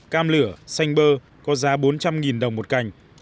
cam lửa xanh bơ có giá bốn trăm linh đồng một cành